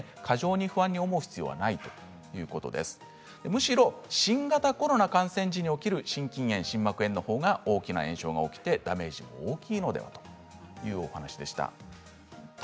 むしろ新型コロナ感染時に起きる心筋炎、心膜炎のほうが大きな炎症が起きてダメージが大きいのではというお話でした。